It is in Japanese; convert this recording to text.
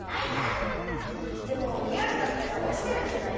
でもリアルだったらおちてるんじゃない？